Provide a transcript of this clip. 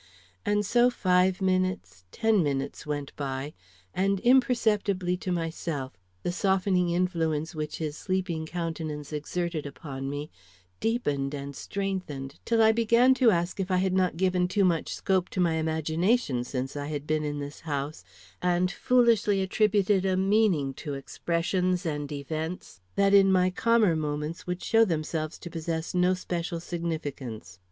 And so five minutes, ten minutes, went by, and, imperceptibly to myself, the softening influence which his sleeping countenance exerted upon me deepened and strengthened till I began to ask if I had not given too much scope to my imagination since I had been in this house, and foolishly attributed a meaning to expressions and events that in my calmer moments would show themselves to possess no special significance.